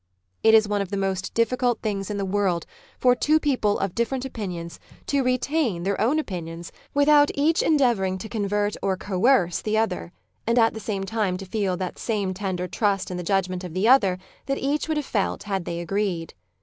It is one of the most difficult things in the world for two people of different opinions to retain their Society 95 own opinions without each endeavouring to convert or coerce the other, and at the same time to feel the same tender trust in the judgment of the other that each would have felt had they agreed.